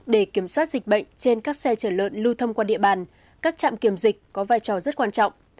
để kiểm soát dịch bệnh trên các xe chở lợn lưu thông qua địa bàn các trạm kiểm dịch có vai trò rất quan trọng